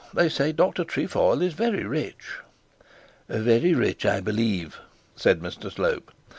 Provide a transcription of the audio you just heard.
They say Dr Trefoil is very rich.' 'Very rich, I believe,' said Mr Slope.